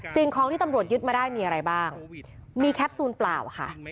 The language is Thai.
สิ่งของที่ตำรวจยึดมาได้มีอะไรบ้างมีแคปซูลเปล่าค่ะ